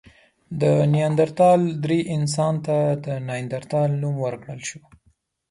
د نیاندرتال درې انسان ته د نایندرتال نوم ورکړل شو.